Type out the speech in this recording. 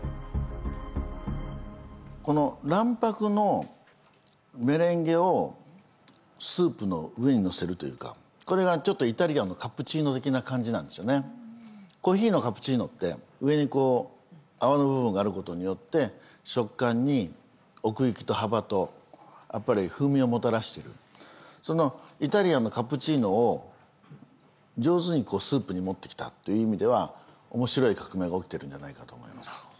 この卵白のメレンゲをスープの上に載せるというかこれがちょっとイタリアンのコーヒーのカプチーノって上にこう泡の部分があることによって食感に奥行きと幅とやっぱり風味をもたらしてるそのイタリアンのカプチーノを上手にスープに持ってきたという意味ではおもしろい革命が起きてるんじゃないかと思います